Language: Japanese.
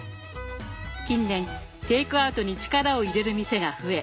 近年テイクアウトに力を入れる店が増え